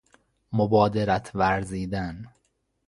مبادرت ورزیدن